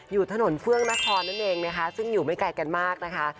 อยู่ถนนเฟื่องนครนั่นเองนะคะซึ่งอยู่ไม่ไกลกันมากนะคะ